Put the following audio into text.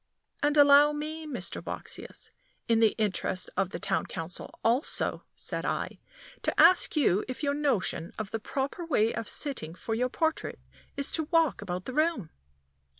"And allow me, Mr. Boxsious, in the interest of the Town Council also," said I, "to ask you if your notion of the proper way of sitting for your portrait is to walk about the room!"